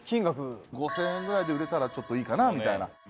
「５０００円ぐらいで売れたらちょっといいかなみたいな」